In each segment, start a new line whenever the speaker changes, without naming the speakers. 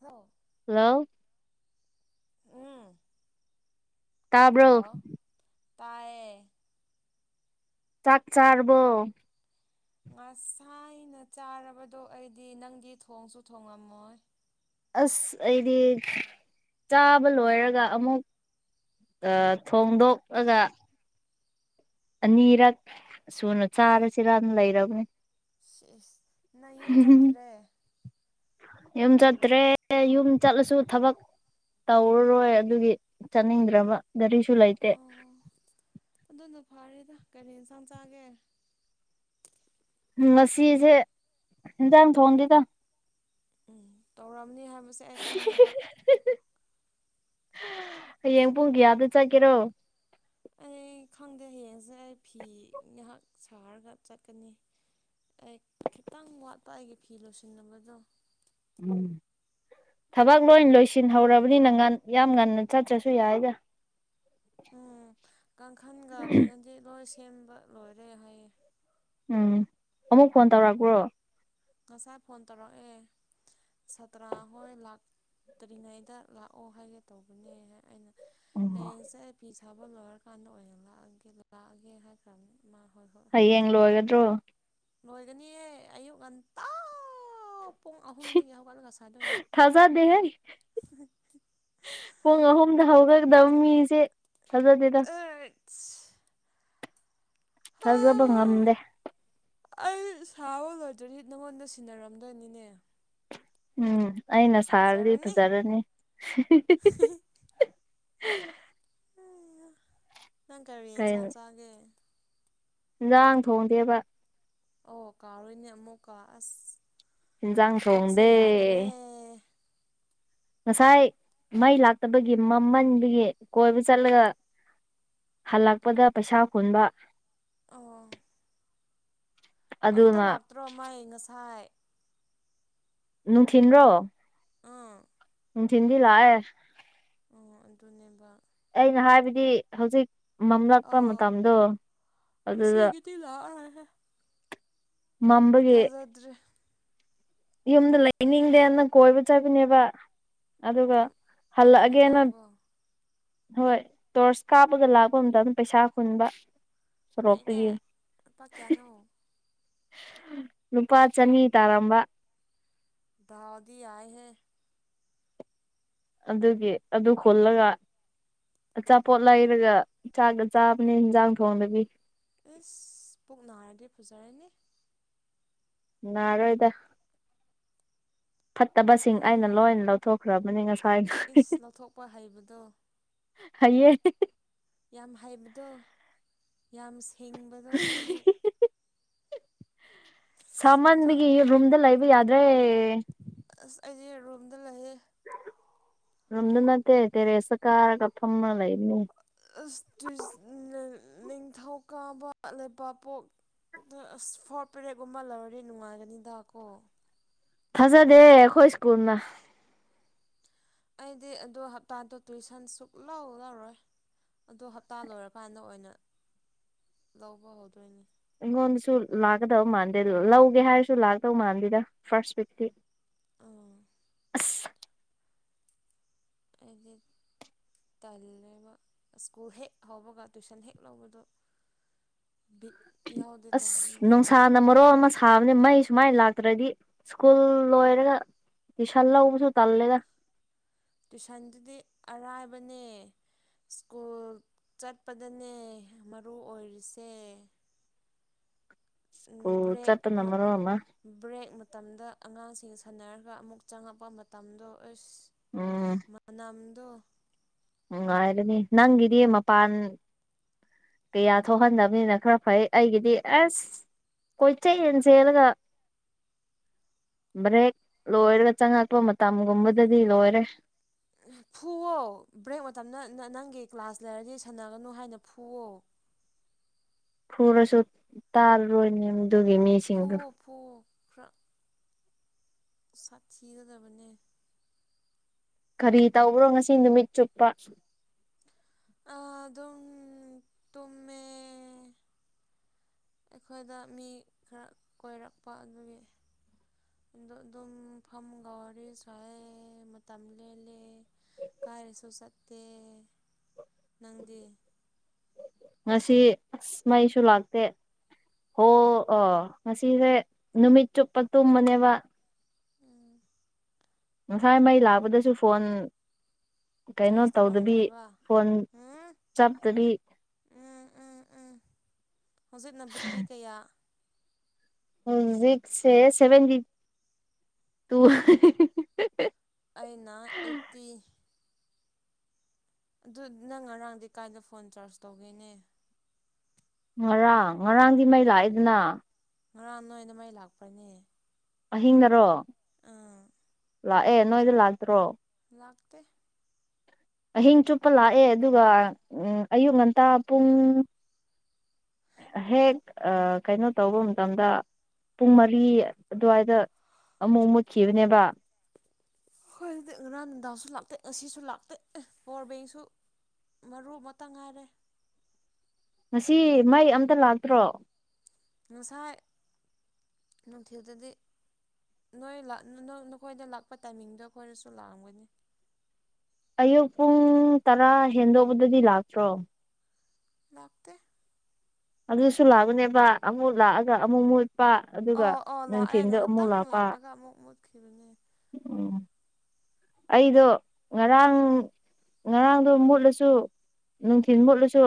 Hello
ꯂꯣ
ꯎꯝ
ꯇꯥꯕ꯭ꯔꯣ
ꯂꯣ ꯇꯥꯏꯌꯦ
ꯆꯥꯛ ꯆꯥꯔꯕꯣ
ꯉꯁꯥꯏꯅ ꯆꯥꯔꯕꯗꯣ ꯑꯩꯗꯤ ꯅꯪꯗꯤ ꯊꯣꯡꯁꯨ ꯊꯣꯉꯝꯃꯣꯏ
ꯑꯁ ꯑꯩꯗꯤ ꯆꯥꯕ ꯂꯣꯏꯔꯒ ꯑꯃꯨꯛ ꯑꯥ ꯊꯣꯡꯗꯣꯛ ꯑꯒ ꯑꯅꯤꯔꯛ ꯁꯨꯅ ꯆꯥꯔꯁꯤꯔꯅ ꯂꯩꯔꯕꯅꯦ
ꯁꯤꯏꯁ ꯅꯪ ꯌꯨꯝ ꯆꯠꯇ꯭ꯔꯦ
ꯌꯨꯝ ꯆꯠꯇ꯭ꯔꯦ ꯌꯨꯝ ꯆꯠꯂꯁꯨ ꯊꯕꯛ ꯇꯧꯔꯔꯣꯏ ꯑꯗꯨꯒꯤ ꯆꯠꯅꯤꯡꯗ꯭ꯔꯕ ꯒꯥꯔꯤꯁꯨ ꯂꯩꯇꯦ
ꯑꯣ ꯑꯗꯨꯅ ꯐꯥꯔꯦꯗ ꯀꯔꯤ ꯏꯟꯁꯥꯡ ꯆꯥꯒꯦ
ꯉꯁꯤꯁꯦ ꯍꯦꯟꯖꯥꯡ ꯊꯣꯡꯗꯤꯗ
ꯎꯝ ꯇꯧꯔꯝꯅꯤ ꯍꯥꯏꯕꯁꯦ ꯑꯩ ꯈꯪꯉꯦꯕ
ꯍꯌꯦꯡ ꯄꯨꯡ ꯀꯌꯥꯗ ꯆꯠꯀꯦꯔꯣ
ꯑꯩ ꯈꯪꯗꯦ ꯍꯌꯦꯡꯁꯦ ꯑꯩ ꯐꯤ ꯉꯩꯍꯥꯛ ꯁꯥꯍꯔꯒ ꯆꯠꯀꯅꯤ ꯑꯩ ꯈꯤꯇꯪ ꯋꯥꯠꯄ ꯑꯩꯒꯤ ꯐꯤ ꯂꯣꯏꯁꯤꯟꯅꯕꯗꯣ
ꯎꯝ ꯊꯕꯛ ꯂꯣꯏ ꯂꯣꯏꯁꯤꯟꯍꯧꯔꯕꯅꯤꯅ ꯉꯟ ꯌꯥꯝ ꯉꯟꯅ ꯆꯠꯇ꯭ꯔꯁꯨ ꯌꯥꯏꯗ
ꯎꯝ ꯀꯥꯡꯈꯜꯒ ꯀꯩꯅꯣꯗꯤ ꯂꯣꯏ ꯁꯦꯝꯕ ꯂꯣꯏꯔꯦ ꯍꯥꯏꯌꯦ
ꯎꯝ ꯑꯃꯨꯛ ꯐꯣꯟ ꯇꯧꯔꯛꯄ꯭ꯔꯣ
ꯉꯁꯥꯏ ꯐꯣꯟ ꯇꯧꯔꯛꯑꯦ ꯁꯥꯇ꯭ꯔ ꯍꯣꯏ ꯂꯥꯛꯇ꯭ꯔꯤꯉꯩꯗ ꯂꯥꯛꯑꯣ ꯍꯥꯏꯒꯦ ꯇꯧꯕꯅꯦ ꯑꯩꯅ ꯍꯌꯦꯡꯁꯦ ꯑꯩ ꯐꯤ ꯁꯥꯕ ꯂꯣꯏꯔꯀꯥꯟꯗ ꯑꯣꯏꯅ ꯂꯑꯒꯦ ꯂꯥꯛꯑꯒꯦ ꯍꯥꯏꯈ꯭ꯔꯕꯅꯤ ꯃꯥꯥ ꯍꯣꯏ ꯍꯣꯏ ꯍꯥꯏꯔꯛꯑꯦ
ꯍꯌꯦꯡ ꯂꯣꯏꯒꯗ꯭ꯔꯣ
ꯂꯣꯏꯒꯅꯤꯌꯦ ꯑꯌꯨꯛ ꯉꯟꯇꯥ ꯄꯨꯡ ꯑꯍꯨꯝꯗꯒꯤ ꯍꯧꯒꯠꯂꯒ ꯁꯥꯗꯣꯏꯅꯦ
ꯊꯥꯖꯗꯦꯍꯦ ꯄꯨꯡ ꯑꯍꯨꯝꯗ ꯍꯧꯒꯠꯀꯗꯕ ꯃꯤꯁꯦ ꯊꯖꯗꯦꯗ
ꯑꯁ
ꯊꯥꯖꯕ ꯉꯝꯗꯦ
ꯑꯩ ꯁꯥꯕ ꯂꯣꯏꯗ꯭ꯗꯤ ꯅꯪꯉꯣꯟꯗ ꯁꯤꯟꯅꯔꯝꯗꯣꯏꯅꯤꯅꯦ
ꯎꯝ ꯑꯩꯅ ꯁꯥꯔꯗꯤ ꯐꯖꯔꯅꯤ
ꯅꯪ ꯀꯔꯤ ꯌꯦꯟꯁꯥꯡ
ꯀꯩꯅꯣ
ꯆꯥꯒꯦ
ꯏꯟꯖꯥꯡ ꯊꯣꯡꯗꯦꯕ
ꯑꯣ ꯀꯥꯔꯣꯏꯅꯦ ꯑꯃꯨꯛꯀ ꯑꯁ
ꯏꯟꯖꯥꯡ
ꯀꯣꯛꯁꯦ
ꯊꯣꯡꯗꯦ
ꯌꯥꯗ꯭ꯔꯦ
ꯉꯁꯥꯏ ꯃꯩ ꯂꯥꯛꯇꯕꯒꯤ ꯃꯃꯟꯗꯨꯒꯤ ꯀꯣꯏꯕ ꯆꯠꯂꯒ ꯍꯜꯂꯛꯄꯗ ꯄꯩꯁꯥ ꯍꯟꯕ
ꯑꯣ ꯑꯝꯇ
ꯑꯗꯨꯅ
ꯂꯥꯛꯇ꯭ꯔꯣ ꯃꯥꯏ ꯉꯁꯥꯏ
ꯅꯨꯡꯊꯤꯟꯔꯣ
ꯎꯝ
ꯎꯝ ꯅꯨꯟꯊꯤꯜꯗꯤ ꯂꯥꯛꯑꯦ
ꯑꯣ ꯑꯗꯨꯅꯦꯕ
ꯑꯩꯅ ꯍꯥꯏꯕꯗꯤ ꯍꯧꯖꯤꯛ ꯃꯝꯂꯛꯄ ꯃꯇꯝꯗꯣ ꯑꯗꯨꯗ
ꯇꯤ ꯂꯥꯛꯑ ꯔꯣꯏ ꯍꯦ
ꯃꯝꯕꯒꯤ
ꯊꯥꯖꯗ꯭ꯔꯦ
ꯌꯨꯝꯗ ꯂꯩꯅꯤꯡꯗꯦꯅ ꯀꯣꯏꯕ ꯆꯠꯄꯅꯦꯕ ꯑꯗꯨꯒ
ꯑꯃꯨꯛ
ꯍꯜꯂꯛꯑꯒꯦꯅ
ꯍꯜꯂꯛꯑꯕꯣ
ꯍꯣꯏ ꯇꯣꯔꯁ ꯀꯥꯞꯄꯒ ꯂꯥꯛꯄ ꯑꯝꯗ ꯑꯗꯨꯝ ꯄꯩꯁꯥ ꯈꯨꯟꯕ
ꯐꯩꯅꯦ ꯂꯨꯄꯥ ꯀꯌꯥꯅꯣ
ꯂꯨꯄꯥ ꯆꯅꯤ ꯇꯥꯔꯝꯕ
ꯗꯥꯥꯎꯗꯤ ꯌꯥꯏ ꯍꯦ
ꯑꯗꯨꯒꯤ ꯑꯗꯨ ꯈꯨꯜꯂꯒ ꯑꯆꯥꯄꯣꯠ ꯂꯩꯔꯒ ꯆꯥꯛꯒ ꯆꯥꯕꯅꯦ ꯏꯟꯖꯥꯡ ꯊꯣꯡꯗꯕꯤ
ꯑꯦꯁ ꯄꯨꯛ ꯅꯥꯔꯗꯤ ꯐꯖꯔꯅꯤ
ꯅꯥꯔꯣꯏꯗ ꯐꯠꯇꯕꯁꯤꯡ ꯑꯩꯅ ꯂꯣꯏꯅ ꯂꯧꯊꯣꯛꯈ꯭ꯔꯕꯅꯤ
ꯏꯁ
ꯉꯁꯥꯏꯗ
ꯂꯧꯊꯣꯛꯄ ꯍꯩꯕꯗꯣ
ꯐꯩꯌꯦ
ꯌꯥꯝ ꯍꯩꯕꯗꯣ ꯌꯥꯝ ꯍꯤꯡꯕꯗꯣ ꯅꯪꯗꯤ ꯑꯗꯣ
ꯁꯥꯃꯟꯕꯒꯤ ꯔꯨꯝꯗ ꯂ ꯂꯩꯕ ꯌꯥꯗ꯭ꯔꯦ
ꯑꯁ ꯑꯩꯗꯤ ꯔꯨꯝꯗ ꯂꯩꯌꯦ
ꯔꯨꯝꯗ ꯅꯠꯇꯦ ꯇꯦꯔꯦꯁꯇ ꯀꯥꯔꯒ ꯐꯝꯃ ꯂꯩꯕꯅꯤ
ꯑꯁ ꯇ꯭ꯋꯤꯁ ꯅꯤꯡꯊꯧꯀꯥꯕ ꯂꯩꯕꯥꯠꯄꯣꯛ ꯑꯗꯣ ꯑꯁ ꯐꯣꯔ ꯄꯦꯔꯦꯠꯒꯨꯝꯕ ꯂꯧꯔꯗꯤ ꯅꯨꯡꯉꯥꯏꯒꯅꯤꯗ ꯀꯣ
ꯊꯥꯖꯗꯦ ꯑꯩꯈꯣꯏ ꯁ꯭ꯀꯨꯜꯅ
ꯑꯩꯗꯤ ꯑꯗꯨ ꯍꯞꯇꯥꯗꯣ ꯇꯨꯏꯁꯟ ꯁꯨꯛꯂꯧ ꯂꯧꯔꯣꯏ ꯑꯗꯣ ꯍꯞꯇꯥ ꯂꯣꯏꯔꯀꯥꯟꯗ ꯑꯣꯏꯅ ꯂꯧꯕ ꯍꯧꯗꯣꯏꯅꯦ
ꯑꯩꯉꯣꯟꯗꯁꯨ ꯂꯥꯛꯀꯗꯕ ꯃꯥꯟꯗꯦ ꯂꯧꯒꯦ ꯍꯥꯏꯔꯁꯨ ꯂꯥꯛꯇꯧ ꯃꯥꯟꯗꯦꯗ ꯐꯥꯔꯁ ꯋꯤꯛꯇꯤ
ꯑꯥ
ꯑꯁ
ꯑꯩꯗꯤꯛ ꯇꯜꯂꯦꯕ ꯁ꯭ꯀꯨꯜ ꯍꯦꯛ ꯍꯧꯕꯒ ꯇꯨꯏꯁꯟ ꯍꯦꯛ ꯂꯧꯕꯗꯨ ꯕꯤꯠ
ꯑꯁ
ꯇꯧꯕꯅꯤꯗ
ꯅꯨꯡꯁꯥ ꯅ ꯃꯔꯣꯜ ꯑꯃ ꯁꯥꯕꯅꯦ ꯃꯩ ꯁꯨꯃꯥꯏ ꯂꯥꯛꯇ꯭ꯔꯗꯤ ꯁ꯭ꯀꯨꯜ ꯂꯣꯏꯔꯒ ꯇ꯭ꯌꯨꯁꯜ ꯂꯧꯕꯖꯨ ꯇꯜꯂꯦꯗ
ꯇꯨꯏꯁꯟꯗꯨꯗꯤ ꯑꯔꯥꯏꯕꯅꯦ ꯁ꯭ꯀꯨꯜ ꯆꯠꯄꯗꯅꯦ ꯃꯔꯨ ꯑꯣꯏꯔꯤꯁꯦ
ꯑꯣ
ꯕ꯭ꯔꯦꯛ
ꯆꯠꯄꯅ ꯃꯔꯣꯟ ꯑꯃ
ꯕ꯭ꯔꯦꯛ ꯃꯇꯝꯗ ꯑꯉꯥꯡꯁꯤꯡ ꯁꯥꯟꯅꯔꯒ ꯑꯃꯨꯛ ꯆꯪꯉꯛꯄ ꯃꯇꯝꯗꯣ ꯑꯁ
ꯎꯝ
ꯃꯅꯝꯗꯣ
ꯅꯨꯡꯉꯥꯏꯕꯅꯦ ꯅꯪꯒꯤꯗꯤ ꯃꯄꯥꯟ ꯀꯌꯥ ꯊꯣꯛꯍꯟꯗꯕꯅꯤꯅ ꯈꯔ ꯐꯩ ꯑꯩꯒꯤꯗꯤ ꯑꯁ ꯀꯣꯏꯆꯩꯌꯦꯟ ꯆꯦꯜꯂꯒ ꯕ꯭ꯔꯦꯛ ꯂꯣꯏꯔꯒ ꯆꯪꯉꯛꯄ ꯃꯇꯝꯒꯨꯝꯕꯗꯗꯤ ꯂꯣꯏꯔꯦ
ꯐꯨꯑꯣ ꯕ꯭ꯔꯦꯛ ꯃꯇꯝꯗ ꯅ ꯅꯪꯒꯤ ꯀ꯭ꯂꯥꯁ ꯂꯩꯔꯗꯤ ꯁꯥꯟꯅꯒꯅꯨ ꯍꯥꯏꯅ ꯐꯨꯑꯣ
ꯐꯨꯔꯁꯨ ꯇꯥꯔꯔꯣꯏꯅꯦ ꯑꯗꯨꯒꯤ ꯃꯤ
ꯐꯨꯑꯣ ꯐꯨꯑꯣ ꯈꯔ ꯁꯥꯊꯤꯒꯗꯕꯅꯦ
ꯀꯔꯤ ꯇꯧꯕ꯭ꯔꯣ ꯉꯁꯤ ꯅꯨꯃꯤꯠ ꯆꯨꯞꯄ
ꯑꯥ ꯑꯗꯨꯝ ꯇꯨꯝꯃꯦ ꯑꯩꯈꯣꯏꯗ ꯃꯤ ꯈꯔ ꯀꯣꯏꯔꯛꯄ ꯑꯗꯨꯒꯤ ꯑꯗꯣ ꯑꯗꯨꯝ ꯐꯝꯃꯒ ꯋꯥꯔꯤ ꯁꯥꯏꯌꯦ ꯃꯇꯝ ꯂꯦꯜꯂꯦ ꯀꯥꯏꯔꯁꯨ ꯆꯠꯇꯦ ꯅꯪꯗꯤ
ꯉꯁꯤ ꯑꯁ ꯃꯩꯁꯨ ꯂꯥꯛꯇꯦ ꯍꯣ ꯑ ꯉꯁꯤꯁꯦ ꯅꯨꯃꯤꯠ ꯆꯨꯞꯄ ꯇꯨꯝꯕꯅꯦꯕ
ꯎꯝ
ꯉꯁꯥꯏ ꯃꯩ ꯂꯥꯛꯄꯗꯁꯨ ꯐꯣꯟ ꯀꯩꯅꯣ
ꯆꯥꯔꯖ
ꯇꯧꯗꯕꯤ
ꯇꯧꯔꯝꯗ꯭ꯔꯕ
ꯐꯣꯟ
ꯎꯝ
ꯆꯞꯇꯕꯤ
ꯎꯝ ꯎꯝ ꯎꯝ ꯍꯧꯖꯤꯛꯅ ꯕꯤꯇ꯭ꯔꯤ ꯀꯌꯥ
ꯍꯧꯖꯤꯛꯁꯦ ꯁꯚꯦꯟꯗꯤ ꯇꯨ
ꯑꯩꯅ ꯑꯦꯠꯇꯤ ꯑꯗꯨꯠ ꯅꯪ ꯉꯔꯥꯡꯗꯤ ꯀꯥꯏꯗ ꯐꯣꯟ ꯆꯥꯔꯖ ꯇꯧꯒꯦꯅꯦ
ꯉꯔꯥꯡ ꯉꯔꯥꯡꯗꯤ ꯃꯩ ꯂꯥꯛꯑꯦꯗꯅ
ꯉꯔꯥꯡ ꯅꯣꯏꯅ ꯃꯩ ꯂꯥꯛꯄꯔꯅꯦ
ꯑꯍꯤꯡꯗꯔꯣ
ꯑꯪ
ꯂꯥꯛꯑꯦ ꯅꯣꯏꯗꯤ ꯂꯥꯛꯇ꯭ꯔꯣ
ꯂꯥꯛꯇ
ꯑꯍꯤꯡ ꯆꯨꯞꯄ ꯂꯥꯛꯑꯦ ꯑꯗꯨꯒ ꯑꯌꯨꯛ ꯉꯟꯇꯥ ꯄꯨꯡ ꯍꯦꯛ ꯀꯩꯅꯣ ꯇꯧꯕ ꯃꯇꯝꯗ ꯄꯨꯡ ꯃꯔꯤ ꯑꯗꯨꯋꯥꯏꯗ ꯑꯃꯨꯛ ꯃꯨꯠꯈꯤꯕꯅꯦꯕ
ꯍꯣꯏ ꯑꯗꯨꯗꯤ ꯉꯔꯥꯡ ꯟꯗꯥꯁꯨ ꯂꯥꯛꯇꯦ ꯉꯁꯤꯁꯨ ꯂꯥꯛꯇꯦ ꯄꯋꯥꯔ ꯕꯦꯡꯁꯨ ꯃꯔꯨ ꯑꯃꯇꯪ ꯉꯥꯏꯔꯦ
ꯉꯁꯤ ꯃꯩ ꯑꯝꯇ ꯂꯥꯛꯇ꯭ꯔꯣ
ꯉꯁꯥꯏ ꯅꯨꯡꯊꯤꯗꯗꯤ ꯅꯣꯏ ꯅꯈꯣꯏꯗ ꯂꯥꯛꯄ ꯇꯥꯏꯃꯤꯡꯗꯣ ꯑꯩꯈꯣꯏꯅꯁꯨ ꯂꯥꯛꯑꯝꯒꯅꯤ
ꯑꯌꯨꯛ ꯄꯨꯡ ꯇꯔꯥ ꯍꯦꯟꯗꯣꯛꯧꯕꯗꯗꯤ ꯂꯥꯛꯇ꯭ꯔꯣ
ꯂꯥꯛꯇ
ꯑꯗꯨꯁꯨ ꯂꯥꯛꯎꯅꯦꯕ ꯑꯃꯨꯛ ꯂꯥꯛꯑꯒ ꯑꯃꯨꯛ ꯃꯨ
ꯑꯣ ꯑꯣ ꯂꯥꯛꯑꯦ ꯉꯥꯏꯍꯥꯛꯇꯪ
ꯂꯥꯛꯄ
ꯂꯥꯛꯑꯒ ꯑꯃꯨꯛ ꯃꯨꯠꯈꯤꯕꯅꯦ
ꯎꯝ ꯑꯩꯗꯣ ꯉꯔꯥꯡ ꯉꯔꯥꯡꯗꯣ ꯃꯨꯠꯂꯁꯨ ꯅꯨꯡꯊꯤꯤꯟ ꯃꯨꯠꯂꯁꯨ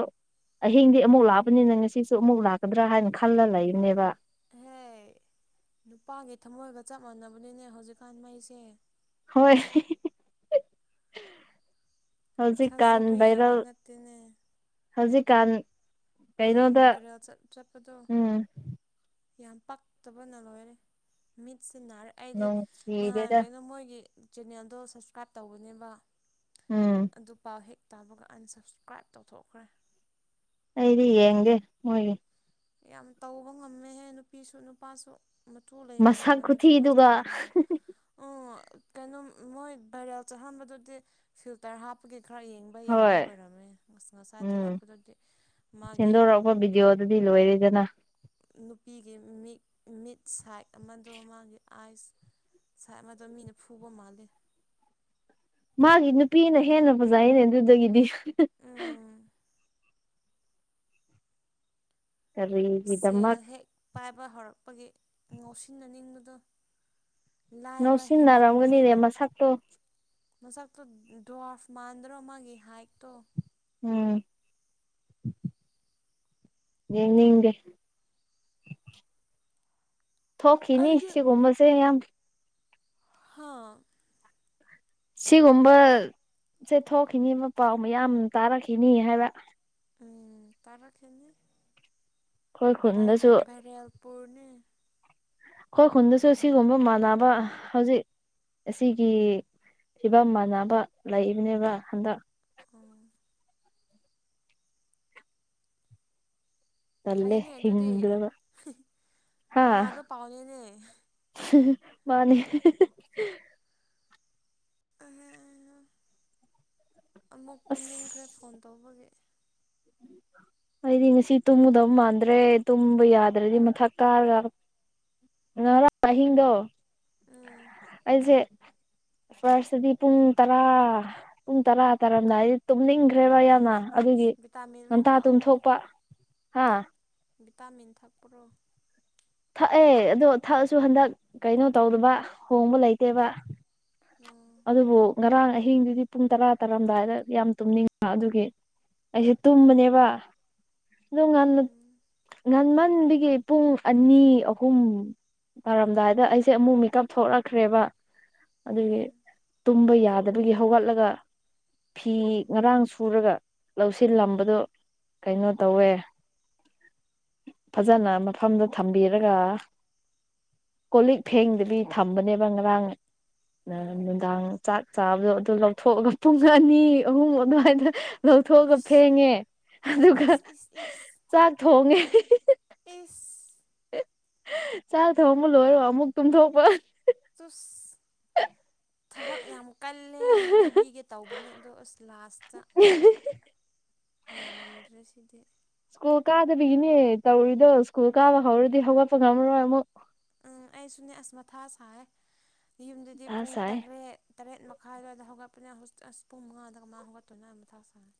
ꯑꯍꯤꯡꯗꯤ ꯑꯃꯨꯛ ꯂꯥꯛꯑꯕꯅꯤꯅ ꯉꯁꯤꯁꯨ ꯑꯃꯨꯛ ꯂꯥꯛꯀꯗ꯭ꯔꯥ ꯍꯥꯏꯅ ꯈꯜꯂ ꯂꯩꯕꯅꯦꯕ
ꯍꯦ ꯅꯨꯄꯥꯒꯤ ꯊꯃꯣꯏꯒ ꯆꯞ ꯃꯥꯟꯅꯕꯅꯤꯅꯦ ꯍꯧꯖꯤꯛꯀꯥꯟ ꯃꯩꯁꯦ
ꯍꯣꯏꯣꯏ ꯍꯧꯖꯤꯛꯀꯥꯟ
ꯊꯥꯖꯕ ꯌꯥꯕ
ꯚꯩꯔꯦꯜ
ꯅꯠꯇꯦꯅꯦ
ꯍꯧꯖꯤꯛꯀꯥꯟ ꯀꯩꯩꯅꯣꯗ
ꯑꯪ ꯚꯥꯏꯔꯦꯜ ꯆꯠ ꯆꯠꯄꯗꯣ
ꯎꯝ
ꯌꯥꯝ ꯄꯥꯛꯇꯕꯅ ꯂꯣꯏꯔꯦ ꯃꯤꯠꯁꯤ ꯅꯥꯔꯦ ꯑꯩꯗꯤ ꯅꯍꯥꯟ
ꯅꯨꯡꯁꯤꯗꯦꯗ
ꯀꯩꯅꯣ ꯃꯣꯏꯒꯤ ꯆꯦꯟꯅꯦꯜꯗꯣ ꯁꯥꯁꯀ꯭ꯔꯥꯏꯞ ꯇꯧꯕꯅꯦꯕ
ꯎꯝ
ꯑꯗꯨ ꯄꯥꯎ ꯍꯦꯛ ꯇꯥꯕꯒ ꯑꯟꯁꯞꯁꯀ꯭ꯔꯥꯏꯞ ꯇꯧꯊꯣꯛꯈ꯭ꯔꯦ
ꯑꯩꯗꯤ ꯌꯦꯡꯗꯦ ꯃꯣꯏꯒꯤ
ꯌꯥꯝ ꯇꯧꯕ ꯉꯝꯃꯦꯍꯦ ꯅꯨꯄꯤꯁꯨ ꯅꯨꯄꯥꯁꯨ ꯃꯇꯨ
ꯃꯁꯛ
ꯂꯩꯅ-ꯂꯩꯅ ꯃꯇꯨ ꯃꯆꯥ
ꯈꯨꯊꯤꯗꯨꯒ
ꯂꯩꯅ-ꯂꯩꯅ ꯑꯣ ꯀꯩꯅꯣꯝ ꯃꯣꯏ ꯚꯥꯏꯔꯦꯜ ꯆꯠꯍꯟꯕꯗꯨꯗꯤ ꯐꯤꯜꯇꯔ ꯍꯥꯞꯄꯒꯤ ꯈꯔ ꯌꯦꯡ ꯕ ꯌꯥꯕ
ꯍꯣꯏ
ꯑꯣꯏꯔꯝꯃꯦ ꯉꯁ ꯉꯁꯥꯏ ꯊꯥꯒꯠꯄꯗꯨꯗꯤ ꯃꯥꯒꯤ
ꯍꯣ ꯕꯤꯗꯤꯑꯣꯗꯨꯗꯤ ꯂꯣꯏꯔꯦꯗꯅ
ꯅꯨꯄꯤꯒꯤ ꯃꯤꯛ ꯃꯤꯠ ꯁꯥꯏꯠ ꯑꯃꯗꯣ ꯃꯥꯒꯤ ꯑꯥꯏꯁ ꯁꯥꯏꯠ ꯑꯃꯗꯣ ꯃꯤꯅ ꯐꯨꯕ ꯃꯥꯜꯂꯦ
ꯃꯥꯒꯤ ꯅꯨꯄꯤꯅ ꯍꯦꯟꯅ ꯐꯖꯩꯌꯦꯅꯦ ꯑꯗꯨꯗꯒꯤꯗꯤ [unintelligible]
ꯑ ꯁꯦꯜ
ꯀꯔꯤꯒꯤꯗꯃꯛ
ꯍꯦꯛ ꯄꯥꯏꯕ ꯍꯧꯔꯛꯄꯒꯤ ꯉꯥꯎꯁꯤꯟꯅꯅꯤꯡꯕꯗꯣ ꯂꯥꯏꯑꯕ ꯍꯦꯟꯃꯟꯕꯒꯤ
ꯉꯧꯁꯤꯟꯅꯔꯝꯒꯅꯤꯅꯦ ꯃꯁꯛꯇꯣ
ꯃꯁꯛꯇꯣ ꯗ꯭ꯋꯥꯔꯐ ꯃꯥꯟꯗ꯭ꯔꯣ ꯃꯥꯒꯤ ꯍꯥꯏꯠꯇꯣ
[unintelligible] ꯌꯦꯡꯅꯤꯡꯗꯦ ꯊꯣꯛꯈꯤꯅꯤ
ꯑꯩꯗꯤ
ꯁꯤꯒꯨꯝꯕꯁꯦ ꯌꯥꯝ
ꯍ
ꯁꯤꯒꯨꯝꯕ ꯁꯦ ꯊꯣꯛꯈꯤꯅꯤꯕ ꯄꯥꯎ ꯃꯌꯥꯝ ꯇꯥꯔꯛꯈꯤꯅꯤ ꯍꯥꯏꯕ
ꯎꯝ ꯇꯥꯔꯛꯈꯤꯅꯤ
ꯑꯩꯈꯣꯏ ꯈꯨꯟꯗꯁꯨ
ꯕꯥꯏꯔꯦꯜ ꯕꯥꯏꯔꯦꯜꯄꯨꯨꯔꯅꯦ
ꯈꯣꯏ ꯈꯨꯟꯗꯁꯨ ꯁꯤꯒꯨꯝꯕ ꯃꯥꯟꯅꯕ ꯍꯧꯖꯤꯛ ꯑꯁꯤꯒꯤ ꯐꯤꯕꯝ ꯃꯥꯟꯅꯕ ꯂꯩꯏꯕꯅꯦꯕ ꯍꯟꯗꯛ
ꯑ
ꯇꯜꯂꯦ
ꯐꯩꯅꯦ ꯑꯗꯨꯗꯤ
ꯍꯤꯡꯒꯗꯕ ꯍꯥꯥ
ꯅꯨꯡꯉꯥꯏꯕ ꯄꯥꯎꯅꯤꯅꯦ
ꯃꯥꯅꯦ
[unintelligible] ꯑꯃꯨꯛ
ꯑꯁ
ꯇꯨꯝꯅꯤꯡꯈ꯭ꯔꯦ ꯐꯣꯟ ꯇꯧꯕꯒꯤ
[inaudible] ꯑꯩꯗꯤ ꯉꯁꯤ ꯇꯨꯝꯒꯗꯕ ꯃꯥꯟꯗ꯭ꯔꯦ ꯇꯨꯝꯕ ꯌꯥꯗ꯭ꯔꯗꯤ ꯃꯊꯛ ꯀꯥꯔꯒ ꯉꯔꯥꯡ ꯑꯍꯤꯡꯗꯣ
ꯎꯝ
ꯑꯩꯖꯦ ꯐꯥꯔꯁꯇꯗꯤ ꯄꯨꯡ ꯇꯔꯥ ꯄꯨꯡ ꯇꯔꯥ ꯇꯥꯔꯝꯗꯥꯏꯗ ꯇꯨꯝꯅꯤꯡꯈ꯭ꯔꯦꯕ ꯌꯥꯝꯅ ꯑꯗꯨꯒꯤ
ꯚꯤꯇꯥꯃꯤꯟ ꯑꯃꯨꯛ
ꯉꯟꯇꯥ
ꯊꯥꯛꯑꯣ
ꯇꯨꯝꯊꯣꯛꯄ ꯍꯥ
ꯚꯤꯇꯥꯃꯤꯟ ꯊꯛꯄꯔꯣ
ꯊꯛꯑꯦ ꯑꯗꯣ ꯊꯛꯑꯁꯨ ꯍꯟꯗꯛ ꯀꯩꯅꯣ ꯇꯧꯗꯕ ꯍꯣꯡꯕ ꯂꯩꯇꯦꯕ
ꯎꯝ
ꯑꯗꯨꯕꯨ ꯉꯔꯥꯡ ꯑꯍꯤꯡꯗꯨꯗꯤ ꯄꯨꯡ ꯇꯔꯥ ꯇꯥꯔꯝꯗꯥꯏꯗ ꯌꯥꯝ ꯇꯨꯝꯅꯤꯡꯕ ꯑꯗꯨꯒꯤ ꯑꯩꯁꯦ ꯇꯨꯝꯕꯅꯦꯕ ꯑꯗꯨ ꯉꯟꯅ
ꯎꯝ
ꯉꯟꯃꯟꯕꯒꯤ ꯄꯨꯡ ꯑꯅꯤ ꯑꯍꯨꯝ ꯇꯥꯔꯝꯗꯥꯏꯗ ꯑꯩꯁꯦ ꯑꯃꯨꯛ ꯃꯦꯀꯞ ꯊꯣꯔꯛꯈ꯭ꯔꯦꯕ ꯑꯗꯨꯒꯤ
ꯎꯝ
ꯇꯨꯝꯕ ꯌꯥꯗꯕꯒꯤ ꯍꯧꯒꯠꯂꯒ ꯐꯤ ꯉꯔꯥꯡ ꯁꯨꯔꯒ ꯂꯧꯁꯤꯜꯂꯝꯕꯗꯣ ꯀꯩꯅꯣ ꯇꯧꯋꯦ ꯐꯖꯅ ꯃꯐꯝꯗ ꯊꯝꯕꯤꯔꯒ ꯀꯣꯜꯂꯤꯛ ꯐꯦꯡꯗꯕꯤ ꯊꯝꯕꯅꯦꯕ ꯉꯔꯥꯡ
ꯎꯝ
ꯅꯨꯃꯤꯗꯥꯡ ꯆꯥꯛ ꯆꯥꯕꯗꯣ ꯑꯗꯨ ꯂꯧꯊꯣꯛꯑꯒ ꯄꯨꯡ ꯑꯅꯤ ꯑꯍꯨꯝ ꯑꯗꯨꯋꯥꯏꯗ ꯂꯧꯊꯣꯛꯑꯒ
ꯏꯁ
ꯐꯦꯡꯉꯦ ꯑꯗꯨꯒ
ꯏꯁ ꯏꯁ ꯏꯁ
ꯆꯥꯛ ꯊꯣꯡꯉꯦ
ꯏꯁ
ꯆꯥꯛ ꯊꯣꯡꯕ ꯂꯣꯏꯔꯒ ꯑꯃꯨꯛ ꯇꯨꯝꯊꯣꯛꯄ
ꯆꯨꯁ ꯊꯕꯛ ꯌꯥꯝ ꯀꯜꯂꯦ ꯍꯥꯏꯕꯤꯒꯦ ꯇꯧꯕꯅꯤ ꯑꯗꯣ ꯑꯁ ꯂꯥꯁ
[unintelligible]
ꯌꯥꯔꯝꯗ꯭ꯔꯦ ꯁꯤꯗꯤ
ꯁ꯭ꯀꯨꯜ ꯀꯥꯗꯕꯤꯒꯤꯅꯦ ꯇꯧꯔꯤꯗꯣ ꯁ꯭ꯀꯨꯜ ꯀꯥꯕ ꯍꯧꯔꯗꯤ ꯍꯧꯒꯠꯄ ꯉꯝꯃꯔꯣꯏ ꯑꯃꯨꯛ
ꯎꯝ ꯑꯩꯁꯨꯅꯦ ꯑꯁ ꯃꯊꯥ ꯁꯥꯏꯌꯦ ꯌꯨꯝꯗꯗꯤ
ꯃꯊꯥ
ꯄꯨꯡ
ꯁꯥꯏ
ꯇꯔꯦꯠ ꯇꯔꯦꯠ ꯃꯈꯥꯏ ꯑꯗꯨꯋꯥꯏꯗ ꯍꯧꯒꯠꯄꯅꯦ ꯍꯧ ꯑꯁ ꯄꯨꯡ ꯃꯉꯥꯗ ꯀꯃꯥꯥꯏ ꯍꯧꯒꯠꯇꯣꯏꯅꯣ ꯑꯩ ꯃꯊꯥ ꯁꯥꯥꯔꯦ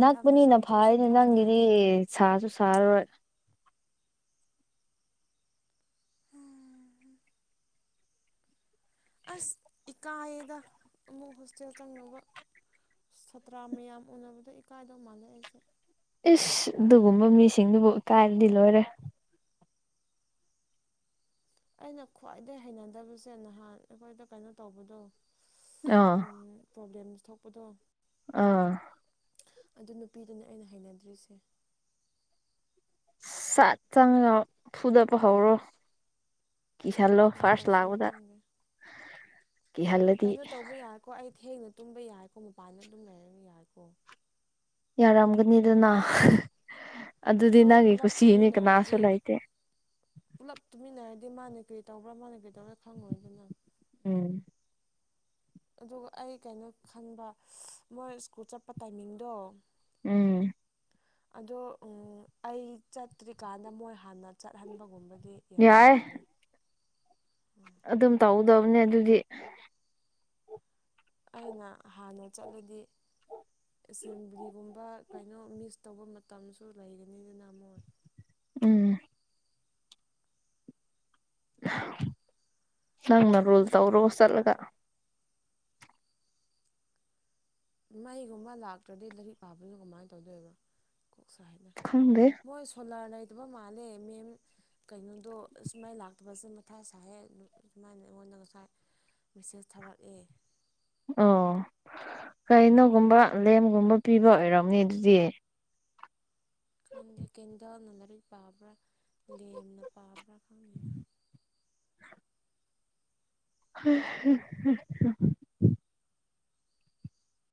ꯅꯛꯄꯅꯤꯅ
ꯇꯨꯝꯁꯤꯠ
ꯐꯔꯤꯅꯦ ꯅꯪꯒꯤꯗꯤ
ꯐꯥꯗ꯭ꯔꯗꯤ
ꯁꯥꯖꯨ ꯁꯥꯔꯔꯣꯏ
[unintelligible] ꯑꯁ ꯏꯀꯥꯏꯌꯦꯗ ꯑꯃꯨꯛ ꯍꯣꯁꯇꯦꯜ ꯆꯪꯗꯧꯕ ꯁꯥꯇ꯭ꯔꯥ ꯃꯌꯥꯝ ꯎꯅꯕꯗꯣ ꯏꯀꯥꯏꯗꯧ ꯃꯥꯜꯂꯦ ꯑꯩꯁꯦ
ꯏꯁ ꯑꯗꯨꯒꯨꯝꯕ ꯃꯤꯁꯤꯡꯗꯨꯕꯨ ꯏꯀꯥꯏꯔꯗꯤ ꯂꯣꯏꯔꯦ
ꯑꯩꯅ ꯈ꯭ꯋꯥꯏꯗꯩ ꯍꯩꯅꯗꯕꯁꯦ ꯅꯍꯥꯟ ꯑꯈꯣꯏꯗ ꯀꯩꯅꯣ ꯇꯧꯕꯗꯣ
ꯑꯥ
ꯎꯝ ꯄ꯭ꯔꯣꯕ꯭ꯂꯦꯝꯁ ꯊꯣꯛꯄꯗꯣ
ꯑꯥ
ꯑꯗꯨ ꯅꯨꯄꯤꯗꯨꯅꯦ ꯑꯩꯅ ꯍꯩꯅꯗ꯭ꯔꯤꯁꯦ
ꯁꯠ ꯆꯪꯉꯒ ꯐꯨꯗꯠꯄ ꯍꯧꯔꯣ ꯀꯤꯍꯜꯂꯣ
ꯁꯨꯃꯥꯏꯅ
ꯐꯥꯔꯁ
ꯇꯧꯁꯤꯔꯥ
ꯂꯥꯛꯕꯗ
ꯈꯪꯗꯦ
ꯀꯤꯍꯜꯂꯗꯤ
ꯀꯣ ꯑꯩ ꯊꯦꯡꯅ ꯇꯨꯝꯕ ꯌꯥꯏꯀꯣ ꯃꯄꯥꯟꯗ ꯑꯗꯨꯝ ꯂꯩꯔꯒ ꯌꯥꯏꯀꯣ
ꯌꯥꯔꯝꯒꯅꯤꯗꯅ ꯑꯗꯨꯗꯤ
ꯂꯣꯏ
ꯅꯪꯒꯤ
ꯄꯨꯂꯞ
ꯀꯨꯁꯤꯅꯤ ꯀꯅꯥꯁꯨ
ꯇꯨꯝꯃꯤꯟꯅꯔꯗꯤ
ꯂꯩꯇꯦ꯫
ꯄꯨꯂꯞ ꯇꯨꯃꯤꯟꯅꯔꯗꯤ ꯃꯥꯅꯦ ꯀꯔꯤ ꯇꯧꯕ꯭ꯔꯥ ꯃꯥꯅꯦ ꯀꯔꯤ ꯇꯧꯕꯔꯥ ꯈꯪꯉꯣꯏꯗꯅ꯫
ꯎꯝ
ꯑꯗꯨꯒ ꯑꯩ ꯀꯩꯅꯣ ꯈꯟꯕ ꯃꯣꯏ ꯁ꯭ꯀꯨꯜ ꯆꯠꯄ ꯇꯥꯏꯃꯤꯡꯗꯣ
ꯎꯝ
ꯑꯗꯣ ꯎꯝ ꯑꯩ ꯆꯠꯇ꯭ꯔꯤꯀꯥꯟꯗ ꯃꯣꯏ ꯍꯥꯟꯅ ꯆꯠꯍꯟꯕꯒꯨꯝꯕꯗꯤ
ꯌꯥꯏ
ꯌꯥꯒꯗ꯭ꯔꯅꯦ ꯎꯝ
ꯑꯗꯨꯝ ꯇꯧꯗꯕꯅꯦ ꯑꯗꯨꯗꯤ
ꯑꯩꯅ ꯍꯥꯟꯅ ꯆꯠꯂꯗꯤ ꯑꯦꯁꯦꯝꯕ꯭ꯂꯤꯒꯨꯝꯕ ꯀꯩꯅꯣ ꯃꯤꯁ ꯇꯧꯕ ꯃꯇꯝꯁꯨ ꯂꯩꯒꯅꯤꯗꯅ ꯃꯣꯏ꯫
ꯎꯝ ꯅꯪꯅ ꯔꯨꯜ ꯇꯧꯔꯣ ꯆꯠꯂꯒ
ꯃꯩꯒꯨꯝꯕ ꯂꯥꯛꯇ꯭ꯔꯗꯤ ꯂꯥꯏꯔꯤꯛ ꯄꯥꯕꯅꯣ ꯀꯃꯥꯏꯅ ꯇꯧꯗꯣꯏꯕ꯫ ꯀꯣꯛ ꯁꯥ ꯍꯥꯏꯕꯅ
ꯈꯪꯗꯦ
ꯃꯣꯏ ꯁꯣꯂꯥꯔ ꯂꯩꯇꯕ ꯃꯥꯜꯂꯦ ꯃꯦꯝ ꯀꯩꯅꯣꯗꯣ ꯑꯁ ꯃꯩ ꯂꯥꯛꯇꯕꯁꯦ ꯃꯊꯥ ꯁꯥꯏꯍꯦ ꯑꯗꯨꯝ ꯁꯃꯥꯏꯅ ꯑꯩꯉꯣꯟꯗ ꯉꯁꯥꯏ ꯃꯦꯁꯦꯁ ꯊꯥꯔꯛꯑꯦ
ꯑꯣ ꯀꯩꯅꯣꯒꯨꯝꯕ ꯂꯦꯝꯒꯨꯝꯕ ꯄꯤꯕ ꯑꯣꯏꯔꯝꯅꯤ ꯑꯗꯨꯗꯤ
ꯈꯪꯗꯦ ꯀꯦꯟꯗꯜꯅ ꯃꯔꯤꯛ ꯄꯥꯕ꯭ꯔꯥ ꯂꯦꯝꯅ ꯄꯥꯕ꯭ꯔꯥ ꯈꯪꯗꯦꯅ
[unintelligible]